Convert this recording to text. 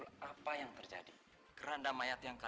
ibu tenang ya